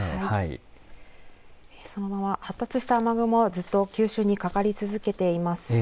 そのまま発達した雨雲はずっと九州にかかり続けています。